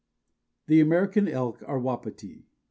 THE AMERICAN ELK OR WAPITI.